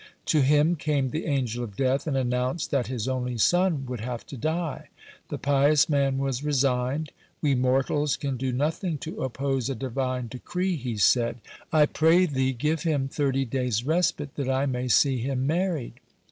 To him came the Angel of Death and announced that his only son would have to die. The pious man was resigned: "We mortals can do nothing to oppose a Divine decree," he said, "but I pray there, give him thirty days' respite, that I may see him married."